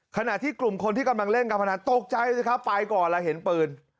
ขณะที่กลุ่มคนที่กำลังเล่นการพนันตกใจสิครับไปก่อนแล้วเห็นปืน